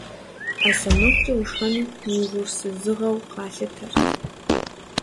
Ӏэ сэмэгукӀэ ушхэну угъурсызыгъэу къалъытэрт.